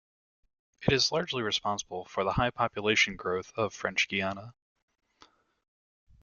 It is largely responsible for the high population growth of French Guiana.